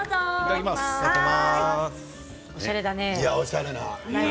おしゃれだね。